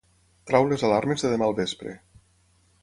Treu les alarmes de demà al vespre.